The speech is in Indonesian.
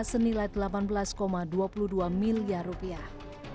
senilai delapan belas dua puluh dua miliar rupiah